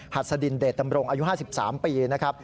หัสดินเดชดำรงอายุ๕๓ปีนะครับ